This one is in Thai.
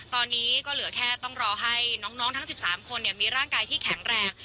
ตอนนี้ก็เหลือแค่ต้องรอให้น้องทั้ง๑๓คนมีร่างกายที่แข็งแรง